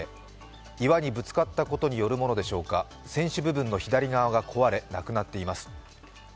岩にぶつかったことによるものでしょうか、船首部分の左側が壊れ、なくなっています。